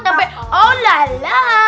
nyampe oh lala